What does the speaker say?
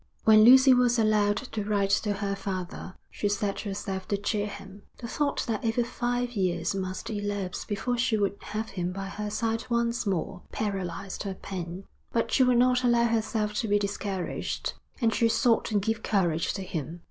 When Lucy was allowed to write to her father, she set herself to cheer him. The thought that over five years must elapse before she would have him by her side once more, paralysed her pen; but she would not allow herself to be discouraged. And she sought to give courage to him.